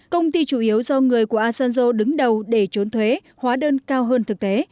công ty chủ yếu do người của asanzo đứng đầu để trốn thuế hóa đơn cao hơn thực tế